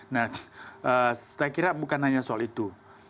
nah saya kira bukan hanya soal itu